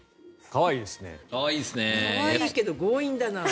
可愛いけど強引だな。